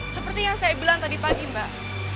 seperti yang saya bilang tadi pagi mbak